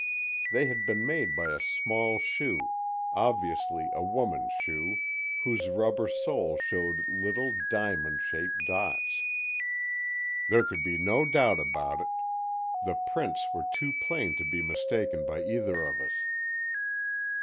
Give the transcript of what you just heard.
They had been made by a small shoe, obviously a woman's shoe, whose rubber sole showed little diamond shaped dots. There could be no doubt about it. The prints were too plain to be mistaken by either of us.